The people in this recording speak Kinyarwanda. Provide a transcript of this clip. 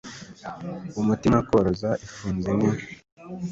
umutima ko roza ifunze ni,